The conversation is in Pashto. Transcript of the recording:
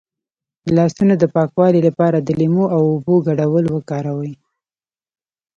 د لاسونو د پاکوالي لپاره د لیمو او اوبو ګډول وکاروئ